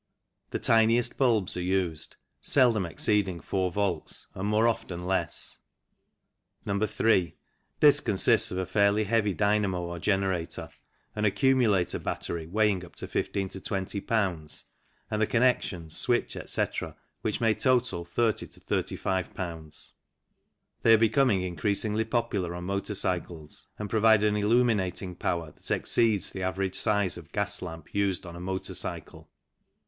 The tiniest bulbs are used, seldom exceeding 4 volts and more often less. No. 3. This consists of a fairly heavy dynamo or generator ; an accumulator battery weighing up to 15 201bs. ; and the connections, switch, etc., which may total 30 35 Ibs. They are becoming increasingly popular on motor cycles, and provide an illuminating power that exceeds the average size of gas lamp used on a motor cycle.